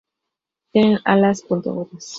Tienen alas puntiagudas.